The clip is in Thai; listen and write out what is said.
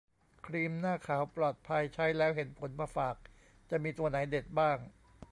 ครีมหน้าขาว ปลอดภัย ใช้แล้วเห็นผลมาฝาก จะมีตัวไหนเด็ดบ้าง